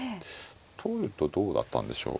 取るとどうだったんでしょう。